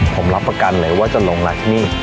ผมรับประกันเลยว่าจะลงรักหนี้